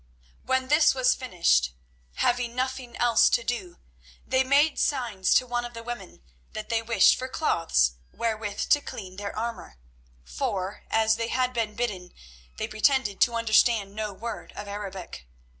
When this was finished, having nothing else to do, they made signs to one of the women that they wished for cloths wherewith to clean their armour, for, as they had been bidden, they pretended to understand no word of Arabic.